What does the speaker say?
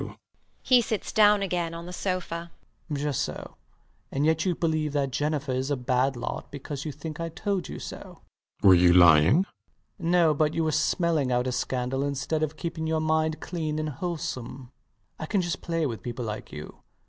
[He sits down again on the sofa]. LOUIS. Just so. And yet you believe that Jennifer is a bad lot because you think I told you so. RIDGEON. Were you lying? LOUIS. No; but you were smelling out a scandal instead of keeping your mind clean and wholesome. I can just play with people like you.